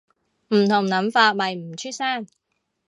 唔同諗法咪唔出聲